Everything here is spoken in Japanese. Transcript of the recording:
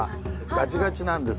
ガチガチなんです。